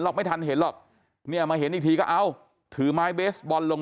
ไม่ทันเห็นหรอกเนี่ยมาเห็นอีกทีก็เอ้าถือไม้เบสบอลลง